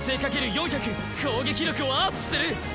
４００攻撃力をアップする！